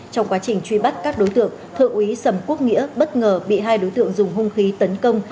trong quá trình truy bắt các đối tượng thượng úy sầm quốc nghĩa bất ngờ bị hai đối tượng dùng hung khí tấn công